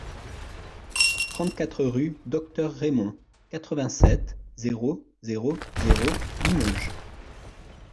trente-quatre rue Docteur Raymond, quatre-vingt-sept, zéro zéro zéro, Limoges